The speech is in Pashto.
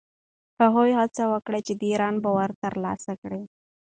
هغه هڅه وکړه چې د ایران باور ترلاسه کړي.